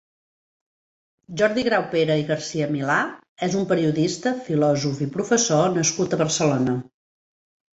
Jordi Graupera i Garcia-Milà és un periodista, filòsof i professor nascut a Barcelona.